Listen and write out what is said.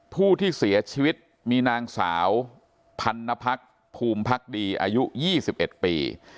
ผู้ที่เสียชีวิตมีนางสาวพันนภักษ์ภูมิพักดีอายุ๒๑ปี